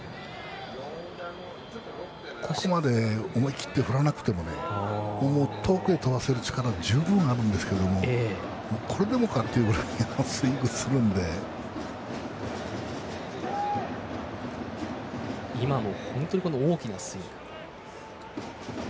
ここまで思い切って振らなくてもね遠くへ飛ばせる力が十分あるんですがこれでもかっていうぐらい今も本当に大きなスイング。